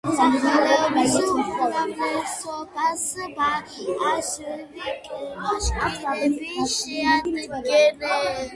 მოსახლეობის უმრავლესობას ბაშკირები შეადგენენ.